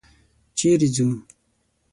چېرې ځو؟